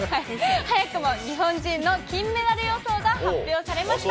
早くも日本人の金メダル予想が発表されました。